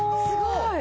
すごい。